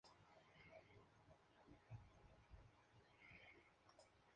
Fue abogado integrante de la Corte Suprema de Chile durante nueve años.